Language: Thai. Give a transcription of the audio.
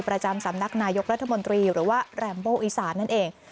ประจำสำนักนายกรัฐมนตรีหรือว่าแรมโบอีสานนั่นเอง